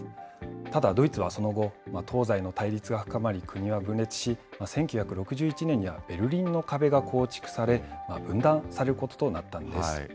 ただ、ドイツはその後、東西の対立が深まり、国は分裂し、１９６１年にはベルリンの壁が構築され、分断されることとなったんです。